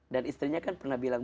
dan istrinya kan pernah bilang